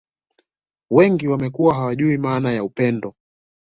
Wengi wamekuwa hawajui maana ya upendo